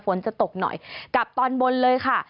ฝนจะตกหน่อยกับตอนบนเลยค่ะ